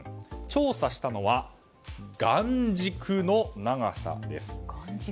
調査したのは眼軸の長さです。